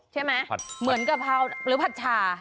ใช่มั้ยเหมือนกะเพราหรือผัดชา